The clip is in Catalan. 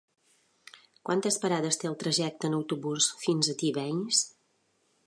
Quantes parades té el trajecte en autobús fins a Tivenys?